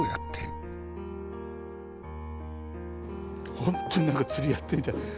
本当に何か釣りやってるみたい。